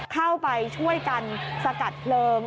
เข้าไปช่วยกันสกัดเพลิง